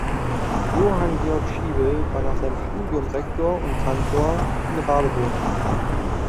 Johann Georg Schiebel war nach seinem Studium Rektor und Kantor in Radeburg.